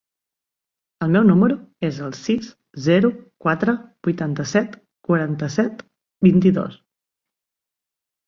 El meu número es el sis, zero, quatre, vuitanta-set, quaranta-set, vint-i-dos.